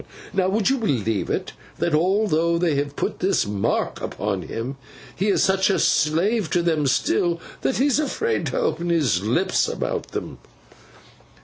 Now, would you believe it, that although they have put this mark upon him, he is such a slave to them still, that he's afraid to open his lips about them?